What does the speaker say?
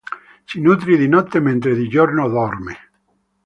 Si nutre di notte mentre di giorno dorme.